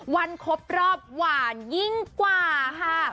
ครบรอบหวานยิ่งกว่าค่ะ